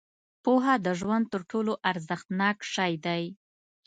• پوهه د ژوند تر ټولو ارزښتناک شی دی.